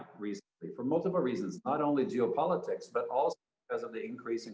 baru baru ini karena banyak alasan bukan hanya geopolitik tapi juga karena peningkatan